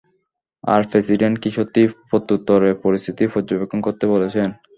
আর, president কি সত্যিই প্রত্যুত্তরে পরিস্থিতি পর্যবেক্ষণ করতে বলেছেন?